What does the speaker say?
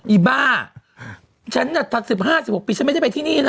อีบ้าฉันน่ะ๑๕๑๖ปีฉันไม่ได้ไปที่นี่นะ